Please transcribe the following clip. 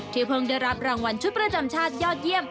เพิ่งได้รับรางวัลชุดประจำชาติยอดเยี่ยม